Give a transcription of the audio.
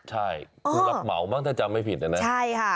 ใช่คุณลับเหมาบ้างถ้าจำไม่ผิดนะใช่ค่ะ